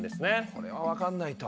これは分かんないと。